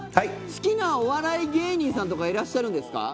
好きなお笑い芸人さんとかいらっしゃるんですか。